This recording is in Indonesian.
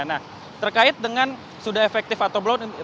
nah terkait dengan sudah efektif atau belum